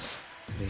え？